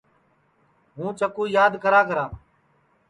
ہُوں چکُو یاد کراکرا